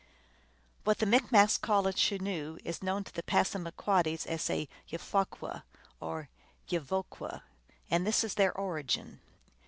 What the Micmacs call a Chenoo is known to the Passamaquoddies as a Jfewahqu* or Jiieivoqu . And this is their origin.